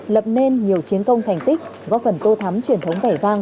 lập nên nhiều chiến công thành tích góp phần tô thắm truyền thống vẻ vang